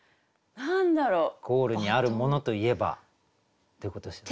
ゴールにあるモノといえば？ってことですよね。